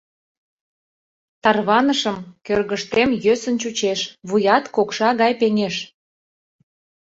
Тарванышым, кӧргыштем йӧсын чучеш, вуят кокша гай пеҥеш.